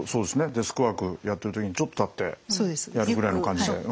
デスクワークやってる時にちょっと立ってやるぐらいの感じで。